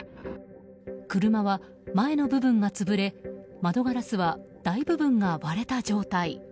車は前の部分が潰れ窓ガラスは大部分が割れた状態。